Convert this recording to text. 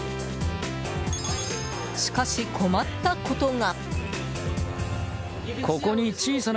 しかし、困ったことが。